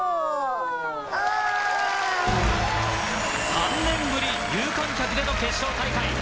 ３年ぶり有観客での決勝大会。